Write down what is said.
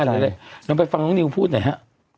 น่าไม่ฟังพูดนะฮะ